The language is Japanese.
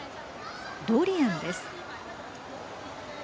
ドリアンです。